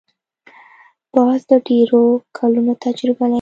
باز د ډېرو کلونو تجربه لري